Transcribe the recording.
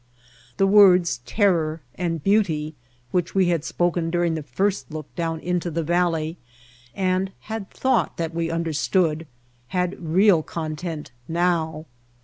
The words ''terror" and "beauty" which we had spoken dur ing the first look down into the valley and had thought that we understood, had real content now.